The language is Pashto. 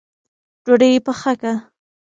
ډوډۍ پخه که